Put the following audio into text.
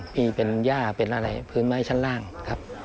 พี่เป็นย่าเป็นอะไรพื้นไม้ชั้นล่างครับ